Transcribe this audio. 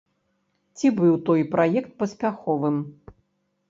Ці быў той праект паспяховым?